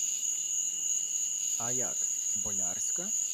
— А як... болярська?